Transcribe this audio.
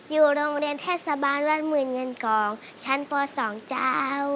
อยู่โรงเรียนเทศบาลวัดหมื่นเงินกองชั้นป๒เจ้า